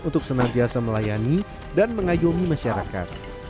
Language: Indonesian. untuk senantiasa melayani dan mengayomi masyarakat